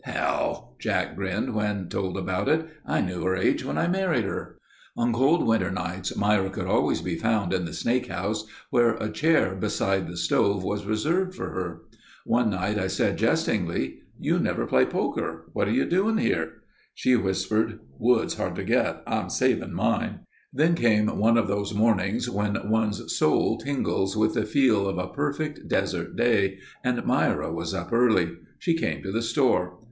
"Hell—" Jack grinned when told about it. "I knew her age when I married her." On cold winter nights Myra could always be found in the Snake House where a chair beside the stove was reserved for her. One night I said jestingly: "You never play poker. What are you doing here?" She whispered: "Wood's hard to get. I'm saving mine." Then came one of those mornings when one's soul tingles with the feel of a perfect desert day and Myra was up early. She came to the store.